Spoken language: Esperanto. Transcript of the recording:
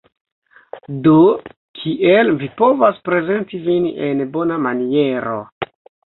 Do kiel vi povas prezenti vin en bona maniero